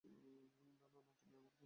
না, না, তুমি আমাকে খুন করেছো!